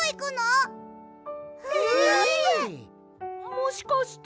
もしかして。